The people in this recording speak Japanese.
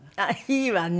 いいわね。